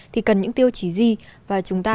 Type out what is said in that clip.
thì cần những tiêu chí gì và chúng ta